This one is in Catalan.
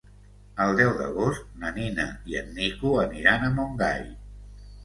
El deu d'agost na Nina i en Nico aniran a Montgai.